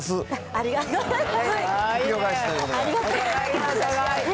ありがとうございます。